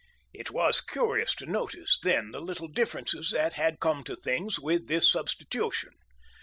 It was curious to notice then the little differences that had come to things with this substitution.